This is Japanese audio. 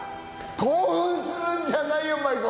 興奮するんじゃないよ繭子！